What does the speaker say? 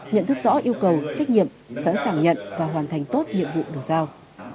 nhận thức rõ yêu cầu trách nhiệm sẵn sàng nhận và hoàn thành tốt nhiệm vụ được giao